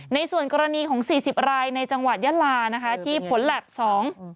ในส่วนกรณีของ๔๐รายในจังหวัดยาลาที่ผลแห่ง๒